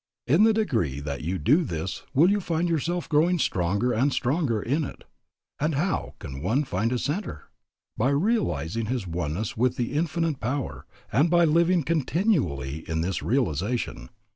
In the degree that you do this will you find yourself growing stronger and stronger in it. And how can one find his centre? By realizing his oneness with the Infinite Power, and by living continually in this realization.